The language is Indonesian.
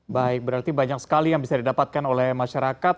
baik berarti banyak sekali yang bisa didapatkan oleh masyarakat